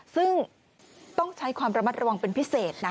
ซึ่งต้องใช้ความระมัดระวังเป็นพิเศษนะ